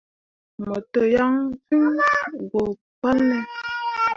Mo te waŋ fĩĩ go palne ?